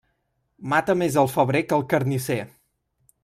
Mata més el febrer que el carnisser.